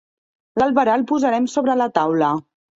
L'albarà el posarem sobre la taula.